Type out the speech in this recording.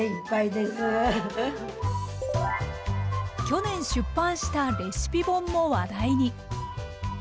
去年出版したレシピ本も話題に。